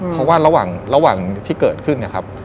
เพราะว่าระหว่างที่เกิดขึ้น